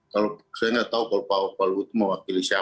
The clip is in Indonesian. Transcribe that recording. kalau saya enggak tahu kalau pak luhut mau wakili siapa itu